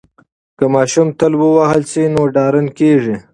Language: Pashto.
که ماشوم تل ووهل شي نو ډارن کیږي.